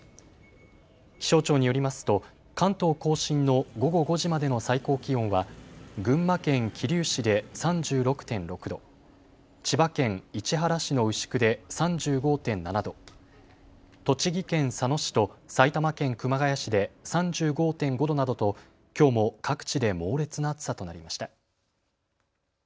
気象庁によりますと関東甲信の午後５時までの最高気温は群馬県桐生市で３６．６度、千葉県市原市の牛久で３５．７度、栃木県佐野市と埼玉県熊谷市で３５．５度などときょうも各地で猛烈な暑さとなりました。